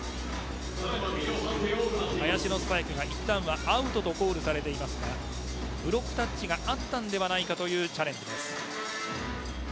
林のスパイクは、いったんはアウトとコールされていますがブロックアウトがあったのではないかというチャレンジです。